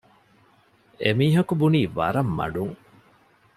އެމީހަކު ބުނީ ވަރަށް މަޑުން